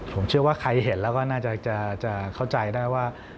ผมเชื่อว่าใครเห็นแล้วก็น่าจะเข้าใจได้ว่า